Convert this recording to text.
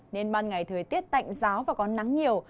nên ban ngày thời tiết tạnh giáo và có nắng nhiều